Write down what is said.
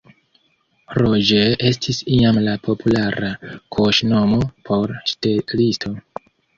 Roger estis iam la populara kaŝnomo por ŝtelisto.